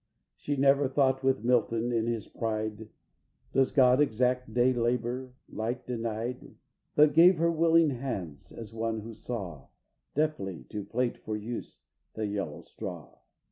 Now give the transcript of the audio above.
She never thought with Milton, in his pride, "Does God exact day labor, light denied?" But gave her willing hands as one who saw, Deftly to plait for use the yellow straw.